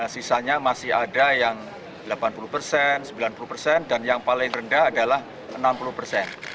sisanya masih ada yang delapan puluh persen sembilan puluh persen dan yang paling rendah adalah enam puluh persen